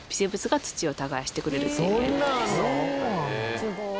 すごーい！